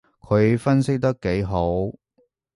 佢分析得幾號